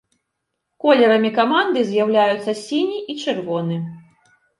Колерамі каманды з'яўляюцца сіні і чырвоны.